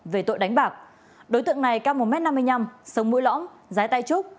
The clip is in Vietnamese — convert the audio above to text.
về tội đánh bạc đối tượng này cao một m năm mươi năm sông mũi lõng giái tay trúc